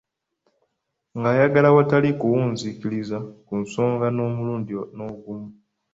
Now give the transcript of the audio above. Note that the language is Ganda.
Ng'ayagala awatali kuwunziikiriza ku nsingo n'omulundi n'ogumu.